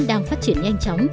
đang phát triển nhanh chóng